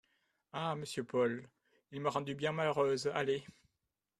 Ah ! monsieur Paul, il m’a rendue bien malheureuse… allez !